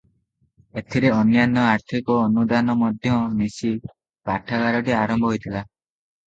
ଏଥିରେ ଅନ୍ୟାନ୍ୟ ଆର୍ଥିକ ଅନୁଦାନ ମଧ୍ୟ ମିଶି ପାଠାଗାରଟି ଆରମ୍ଭ ହୋଇଥିଲା ।